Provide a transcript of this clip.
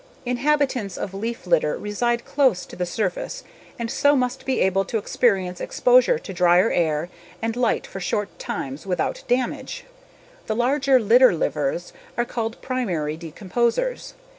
Inhabitants of leaf litter reside close to the surface and so must be able to experience exposure to dryer air and light for short times without damage. The larger litter livers are called primary decomposers.